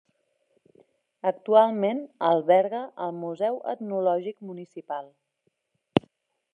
Actualment alberga el Museu Etnològic Municipal.